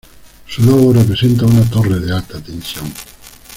Su logo representa una torre de alta tensión.